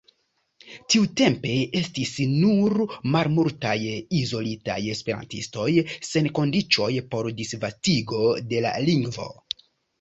Tiutempe estis nur malmultaj izolitaj esperantistoj, sen kondiĉoj por disvastigo de la lingvo.